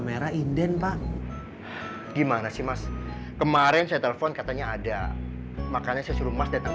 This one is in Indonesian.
merah inden pak gimana sih mas kemarin saya telepon katanya ada makanya saya suruh mas datang